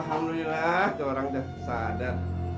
alhamdulillah orang itu sudah sadar